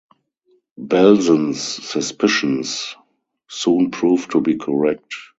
Belzen's suspicions soon proved to be correct.